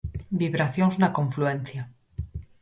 Vibracións na confluencia.